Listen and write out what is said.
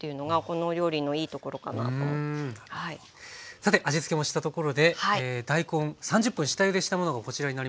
さて味つけもしたところで大根３０分下ゆでしたものがこちらになります。